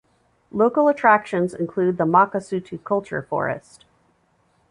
Local attractions include the Makasutu Culture Forest.